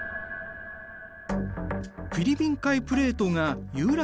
フィリピン海プレートがユーラシア